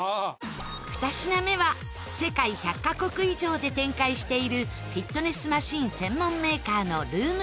２品目は世界１００カ国以上で展開しているフィットネスマシン専門メーカーのルーム